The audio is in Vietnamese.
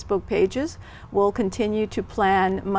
không như chủ tịch trung tâm